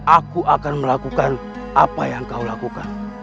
aku akan melakukan apa yang kau lakukan